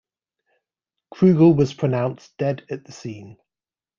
Krugel was pronounced dead at the scene.